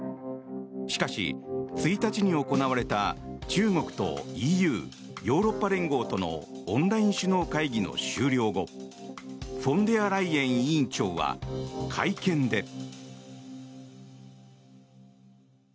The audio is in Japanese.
しかし、１日に行われた中国とＥＵ・ヨーロッパ連合とのオンライン首脳会議の終了後フォンデアライエン委員長は会見で。